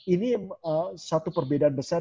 ini satu perbedaan besar